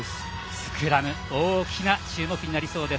スクラムが大きな注目になりそうです。